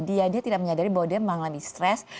dia tidak menyadari bahwa dia mengalami stress